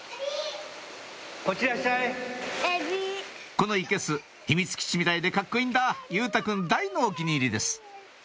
このいけす秘密基地みたいでカッコいいんだ佑太くん大のお気に入りです